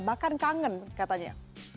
bahkan kangen katanya